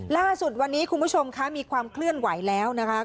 ล่าสุดวันนี้คุณผู้ชมคะมีความเคลื่อนไหวแล้วนะคะ